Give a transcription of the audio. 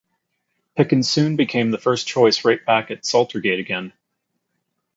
Picken soon became the first choice right back at Saltergate again.